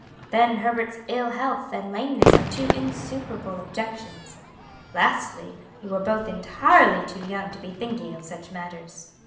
Then Herbert's ill health and lameness are two insuperable objections. Lastly, you are both entirely too young to be thinking of such matters."